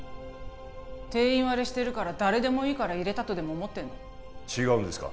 定員割れしてるから誰でもいいから入れたとでも思ってんの違うんですか？